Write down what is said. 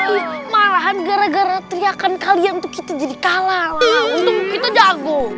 ih malahan gara gara teriakan kalian tuh kita jadi kalah lah untung kita jago